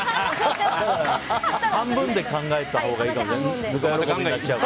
半分で考えたほうがいいかもね。